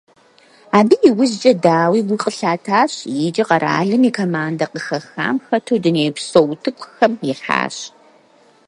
Абы иужькӏэ, дауи, гу къылъатащ икӏи къэралым и командэ къыхэхам хэту дунейпсо утыкухэм ихьащ.